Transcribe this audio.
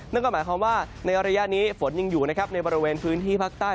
นั่นก็หมายความว่าในระยะนี้ฝนยังอยู่นะครับในบริเวณพื้นที่ภาคใต้